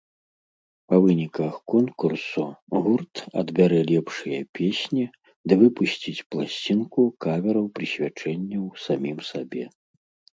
Па выніках конкурсу гурт адбярэ лепшыя песні ды выпусціць пласцінку кавераў-прысвячэнняў самім сабе.